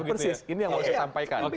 persis ini yang mau saya sampaikan